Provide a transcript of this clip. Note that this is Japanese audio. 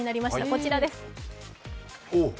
こちらです。